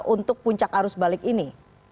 untuk puncak arus balik ini